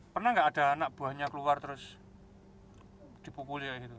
pernah nggak ada anak buahnya keluar terus dibukulin